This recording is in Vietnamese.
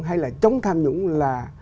hay là chống tham nhũng là